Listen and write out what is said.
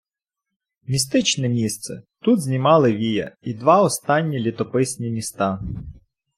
Містичне місце: тут знімали "Вія" І два останні літописні міста.